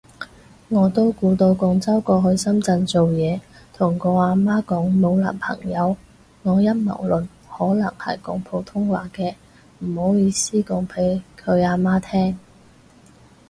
我都估到廣州過去深圳做嘢，同個啊媽就講冇男朋友。，我陰謀論可能係講普通話的，不好意思講畀佢啊媽聼